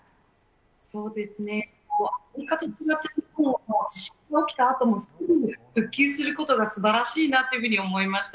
そうですね、地震が起きたあとも、すぐ復旧することがすばらしいなと思いました。